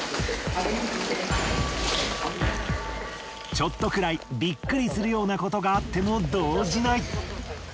ちょっとくらいビックリするようなことがあっても動じない。